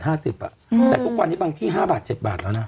แต่ทุกวันนี้บางที่๕บาท๗บาทแล้วนะ